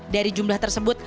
dari jumlah tersebut